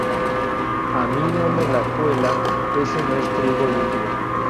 A mí no me la cuela, ese no es trigo limpio